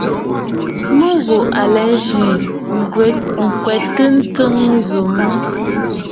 Mû ghù là à zî ǹtwɛ̀bə̂ ǹtɔ̀ŋ ŋù mə̀.